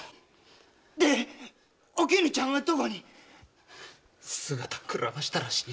でおきぬちゃんはどこに⁉姿をくらませたらしい。